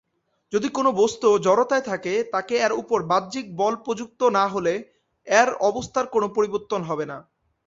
যদি কোন বস্তু জড়তায় থাকে তাকে এর ওপর বাহ্যিক বল প্রযুক্ত না হলে এর অবস্থার কোন পরিবর্তন হবে না।